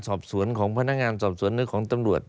สอบสวนของพนักงานสอบสวนหรือของตำรวจ